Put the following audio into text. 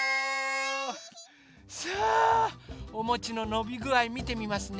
さあおもちののびぐあいみてみますね。